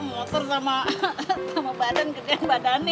motor sama badan gede badannya